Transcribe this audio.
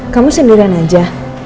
kamu sendirian aja